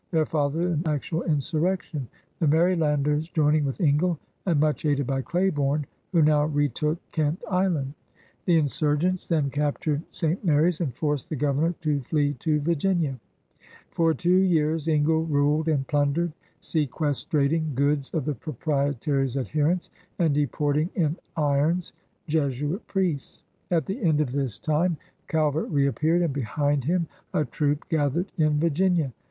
There followed an actual insurrection, the Marylanders joining with Ingle and much aided by Claiborne, who now retook Kent Island. The insurgents then captured St. Mary's and forced the Governor to flee to Virginia. For two years Ingle ruled and plundered, seques trating goods of the Proprietary's adherents, and deporting in irons Jesuit priests. At the end of this time Calvert reappeared, and behind him a troop gathered in Virginia.